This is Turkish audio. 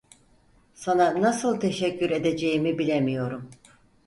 Sana nasıl teşekkür edeceğimi bilemiyorum.